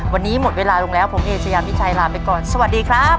วันนี้หมดเวลาลงแล้วผมเอเชยามิชัยลาไปก่อนสวัสดีครับ